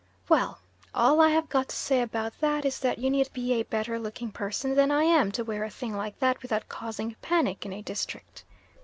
Well! all I have got to say about that is that you need be a better looking person than I am to wear a thing like that without causing panic in a district.